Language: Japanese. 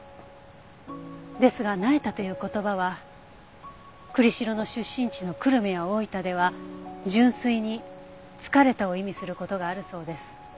ですが「なえた」という言葉は栗城の出身地の久留米や大分では純粋に「疲れた」を意味する事があるそうです。